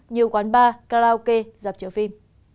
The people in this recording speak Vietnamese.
như quán bar karaoke dạp triệu phim